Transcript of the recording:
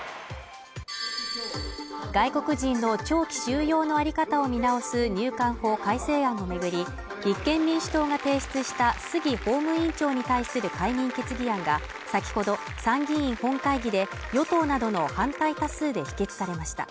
外国人の長期収容のあり方を見直す入管法改正案をめぐり立憲民主党が提出した杉法務委員長に対する解任決議案が先ほど、参議院本会議で、与党などの反対多数で否決されました。